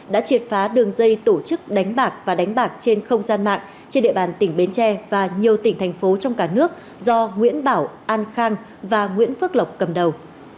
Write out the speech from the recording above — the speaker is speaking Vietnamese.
đã triệt phá đường dây tổ chức đánh bạc và đánh bạc trên không gian mạng trên địa bàn tỉnh bến tre và nhiều tỉnh thành phố trong cả nước do nguyễn bảo an khang và nguyễn phước lộc cầm đầu